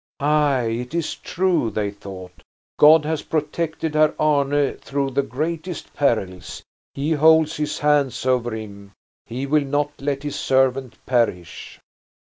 "Ay, it is true," they thought. "God has protected Herr Arne through the greatest perils. He holds His hand over him. He will not let His servant perish."